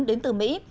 đến từ mỹ